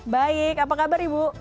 baik apa kabar ibu